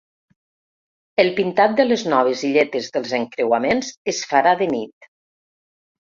El pintat de les noves illetes dels encreuament es farà de nit.